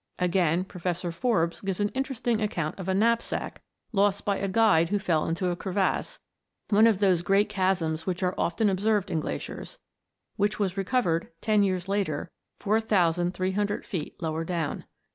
Again, Professor Forbes gives an interesting account of a knapsack lost by a guide who fell into a crevass, one of those great chasms which are often observed in glaciers, which was recovered, ten years after, 4300 feet lower down.